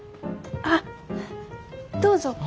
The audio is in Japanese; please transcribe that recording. あっどうぞ。